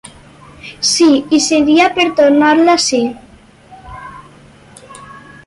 Si, i seria per tornar-la si.